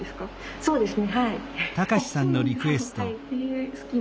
そうですね。